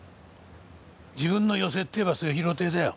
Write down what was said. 自分の寄席っていえば『末廣亭』だよ